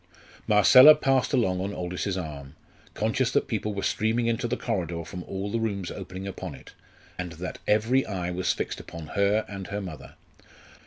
Marcella passed along on Aldous's arm, conscious that people were streaming into the corridor from all the rooms opening upon it, and that every eye was fixed upon her and her mother.